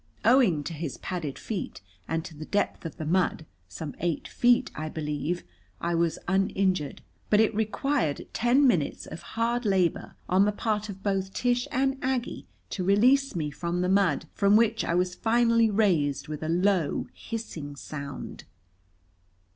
Owing to his padded feet and to the depth of the mud some eight feet, I believe I was uninjured. But it required ten minutes of hard labor on the part of both Tish and Aggie to release me from the mud, from which I was finally raised with a low, hissing sound.